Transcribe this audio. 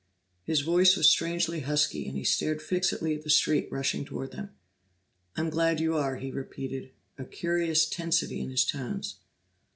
His voice was strangely husky, and he stared fixedly at the street rushing toward them. "I'm glad you are," he repeated, a curious tensity in his tones.